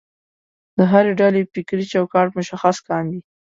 د هرې ډلې فکري چوکاټ مشخص کاندي.